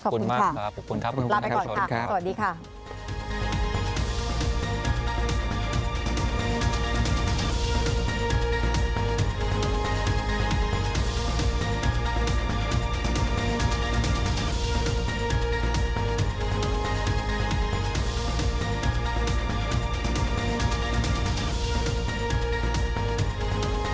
ขอบคุณค่ะลาไปก่อนค่ะสวัสดีค่ะ